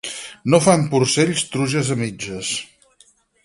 No fan porcells truges a mitges.